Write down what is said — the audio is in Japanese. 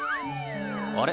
あれ？